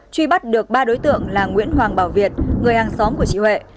truy bắt được ba đối tượng là nguyễn hoàng bảo việt người hàng xóm của chị huệ